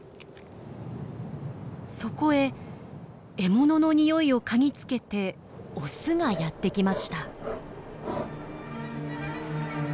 そこへ獲物のにおいを嗅ぎつけてオスがやって来ました。